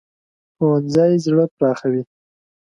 ښوونځی زړه پراخوي